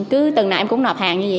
cứ từng nãy em cũng nộp hàng như vậy